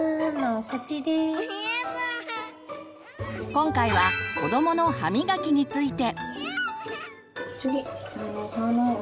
今回は子どもの歯みがきについて。